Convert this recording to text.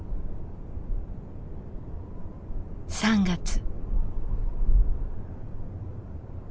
３月。